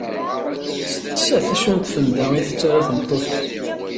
Testeqsa-t acu n tfenda i tettarra tmeṭṭut-is.